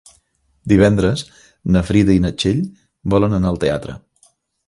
Divendres na Frida i na Txell volen anar al teatre.